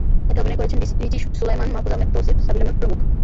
এতে অভিনয় করেছেন রিচি সোলায়মান, মাহফুজ আহমেদ, তৌসিফ, সাবিলা নূর প্রমুখ।